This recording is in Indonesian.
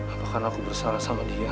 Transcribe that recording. apakah aku bersalah sama dia